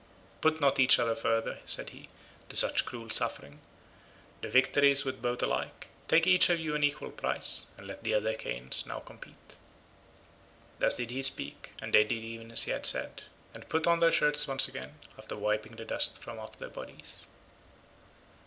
"Put not each other further," said he, "to such cruel suffering; the victory is with both alike, take each of you an equal prize, and let the other Achaeans now compete." Thus did he speak and they did even as he had said, and put on their shirts again after wiping the dust from off their bodies.